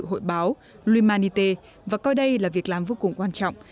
hội báo huy humanity và coi đây là việc làm vô cùng quan trọng